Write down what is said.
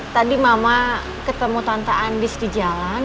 tadi mama ketemu tanpa andis di jalan